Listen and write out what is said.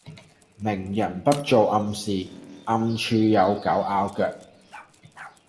明人不做暗事，暗處有狗咬腳